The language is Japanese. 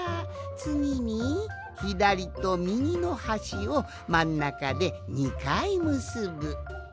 つぎにひだりとみぎのはしをまんなかで２かいむすぶ。